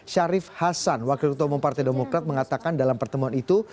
syarif hasan wakil ketua umum partai demokrat mengatakan dalam pertemuan itu